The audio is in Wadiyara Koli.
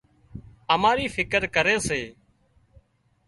اماري فڪر ڪري سي